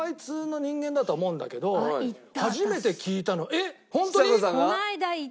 えっ！